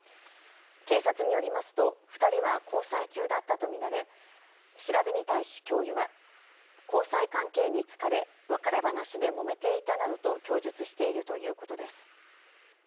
警察によりますと２人は交際中だったと見られ調べに対し教諭は交際関係に疲れ、別れ話でもめていたなどと供述しているということです。